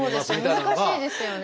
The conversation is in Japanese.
難しいですよね。